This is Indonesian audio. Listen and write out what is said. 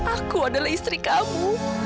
aku adalah istri kamu